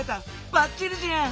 ばっちりじゃん！